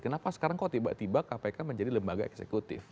kenapa sekarang kok tiba tiba kpk menjadi lembaga eksekutif